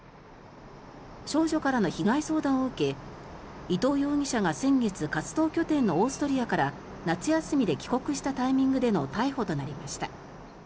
少女からの被害相談を受け伊藤容疑者が先月活動拠点のオーストリアから夏休みで帰国したタイミングでの逮捕となりました。